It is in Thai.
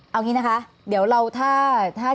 เอางี้นะคะเดี๋ยวเราถ้า